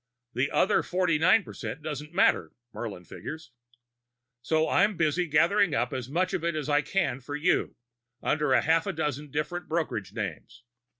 The other forty nine percent doesn't matter, Murlin figures. So I'm busy gathering up as much of it as I can for you under half a dozen different brokerage names.